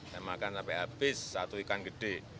saya makan sampai habis satu ikan gede